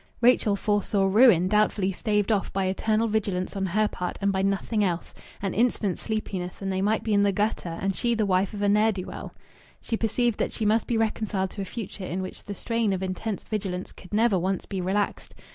Rachel foresaw ruin doubtfully staved off by eternal vigilance on her part and by nothing else an instant's sleepiness, and they might be in the gutter and she the wife of a ne'er do well. She perceived that she must be reconciled to a future in which the strain of intense vigilance could never once be relaxed.